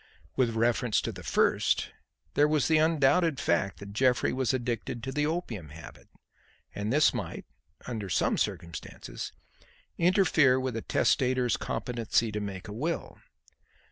With reference to the first, there was the undoubted fact that Jeffrey was addicted to the opium habit, and this might, under some circumstances, interfere with a testator's competency to make a will.